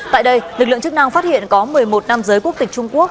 tại đây lực lượng chức năng phát hiện có một mươi một nam giới quốc tịch trung quốc